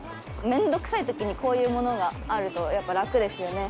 めんどくさいときにこういうものがあるとやっぱ楽ですよね。